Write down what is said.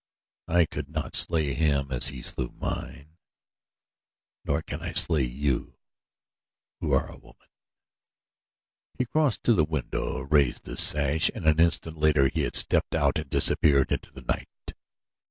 I could not slay him as he slew mine, nor can I slay you, who are a woman." He crossed to the window, raised the sash and an instant later he had stepped out and disappeared into the night.